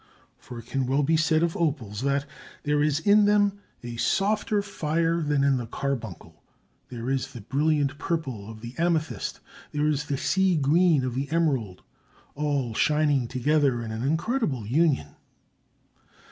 For it can well be said of opals that "There is in them a softer fire than in the carbuncle, there is the brilliant purple of the amethyst; there is the sea green of the emerald—all shining together in incredible union.